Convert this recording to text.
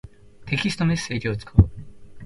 テキストメッセージを使う。